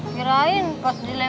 kirain pas dilempar sama bogi